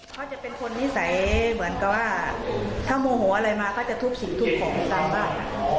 เขาจะเป็นคนนิสัยเหมือนกับว่าถ้าโมโหอะไรมาก็จะทุบสิ่งทุบของตามบ้าน